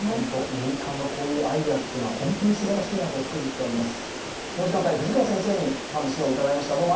民間のこういうアイデアは本当にすばらしいなと、つくづく感じます。